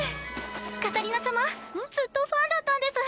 カタリナ様ずっとファンだったんです。